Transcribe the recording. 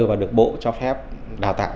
và được bộ cho phép đào tạo